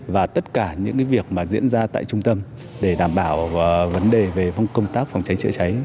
và tất cả những việc mà diễn ra tại trung tâm để đảm bảo vấn đề về công tác phòng cháy chữa cháy